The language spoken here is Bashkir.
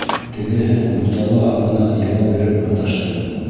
Тегеһе бутала-абына яуап биреп маташты.